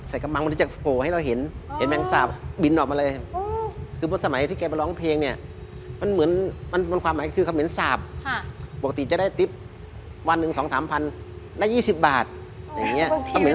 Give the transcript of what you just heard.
เราไปสวยเลยแล้วเงินอะไรมันปิดหมดเลย